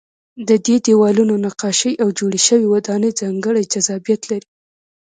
د دې دیوالونو نقاشۍ او جوړې شوې ودانۍ ځانګړی جذابیت لري.